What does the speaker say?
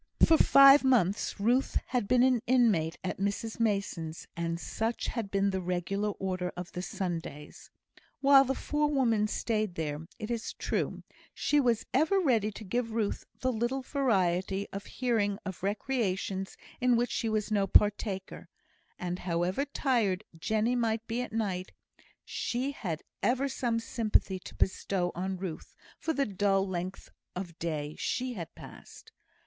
For five months Ruth had been an inmate at Mrs Mason's, and such had been the regular order of the Sundays. While the forewoman stayed there, it is true, she was ever ready to give Ruth the little variety of hearing of recreations in which she was no partaker; and however tired Jenny might be at night, she had ever some sympathy to bestow on Ruth for the dull length of day she had passed.